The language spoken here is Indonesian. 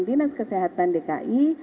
dinas kesehatan dki